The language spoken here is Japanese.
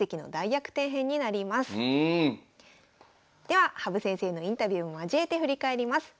では羽生先生のインタビューも交えて振り返ります。